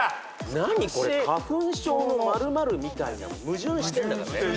何これ「花粉症の○○みたいな」矛盾してんだからね。